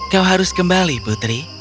kau harus kembali putri